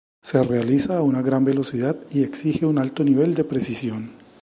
Se realiza a una gran velocidad y exige un alto nivel de precisión.